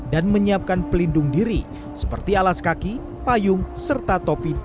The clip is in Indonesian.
dan menyiapkan pelindung diri seperti alas kaki payung serta topi